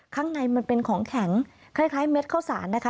ข้างในมันเป็นของแข็งคล้ายเม็ดข้าวสารนะคะ